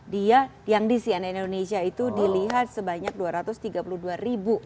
dia yang di cnn indonesia itu dilihat sebanyak dua ratus tiga puluh dua ribu